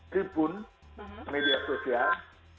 tribun media sosial